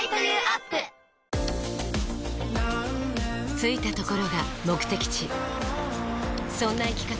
着いたところが目的地そんな生き方